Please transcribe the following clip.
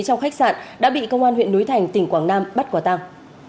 trong khách sạn đã bị công an huyện núi thành tỉnh quảng nam bắt quả tăng